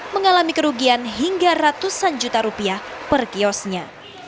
mengalami kerugian hingga ratusan juta rupiah per kiosnya